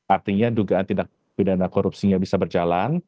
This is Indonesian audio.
artinya dugaan tindak pidana korupsinya bisa berjalan